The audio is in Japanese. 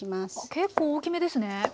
結構大きめですね。